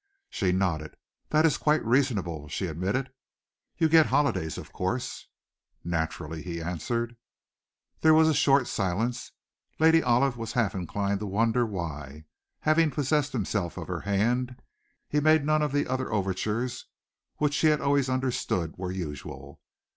She nodded. "That is quite reasonable," she admitted. "You get holidays, of course?" "Naturally," he answered. There was a short silence. Lady Olive was half inclined to wonder why, having possessed himself of her hand, he made none of the other overtures which she had always understood were usual.